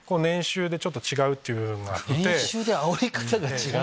年収であおり方が違う⁉